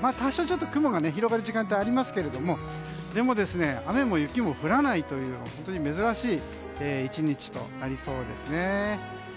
多少、雲が広がる時間帯はありますけどもでも、雨も雪も降らないという本当に珍しい１日となりそうです。